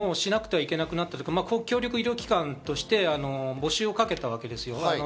健康観察もしなくてはいけなくなったというか、協力医療機関として募集をかけたわけです。